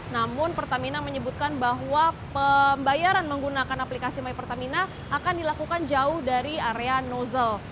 namun pertamina menyebutkan bahwa pembayaran menggunakan aplikasi mypertamina akan dilakukan jauh dari area nozzle